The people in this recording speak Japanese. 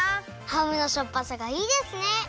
ハムのしょっぱさがいいですね。